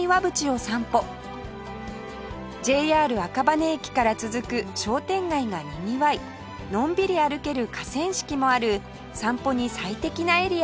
ＪＲ 赤羽駅から続く商店街がにぎわいのんびり歩ける河川敷もある散歩に最適なエリアです